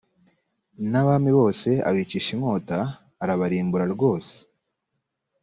n abami bose abicisha inkota arabarimbura rwose